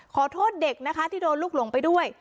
ขอโทษเด็กนะคะที่โดนลูกหลงไปด้วย